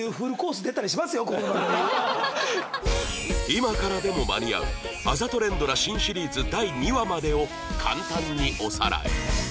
今からでも間に合うあざと連ドラ新シリーズ第２話までを簡単におさらい